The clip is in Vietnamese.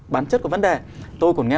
bán chất của vấn đề tôi còn nghe